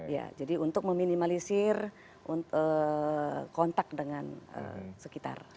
ya jadi untuk meminimalisir kontak dengan sekitar